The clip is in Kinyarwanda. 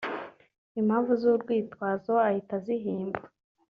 impamvu z’urwitwazo ahita azihimba